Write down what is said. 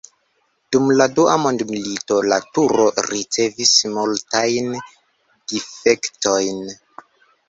Dum la Dua mondmilito la turo ricevis multajn difektojn.